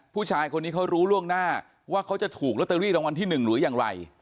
ผู้ชายคนนี้เขารู้ล่วงหน้าว่าเขาจะถูกลอตเตอรี่รางวัลที่๑หรืออย่างไร